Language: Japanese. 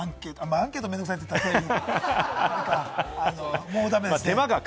アンケート面倒くさいって言っちゃ駄目か。